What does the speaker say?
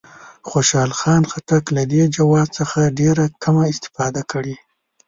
خوشحال خان خټک له دې جواز څخه ډېره کمه استفاده کړې.